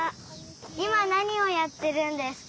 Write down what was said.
いまなにをやってるんですか？